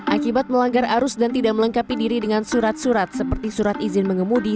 akibat melanggar arus dan tidak melengkapi diri dengan surat surat seperti surat izin mengemudi